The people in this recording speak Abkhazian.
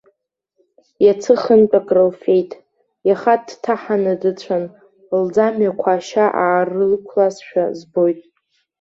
Иацы хынтә акрылфеит, иаха дҭаҳаны дыцәан, лӡамҩақәа ашьа аарықәлазшәа збоит.